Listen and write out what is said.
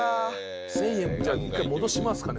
１０００円一回戻しますかね。